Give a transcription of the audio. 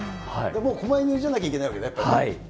もうこま犬じゃなきゃいけないわけね。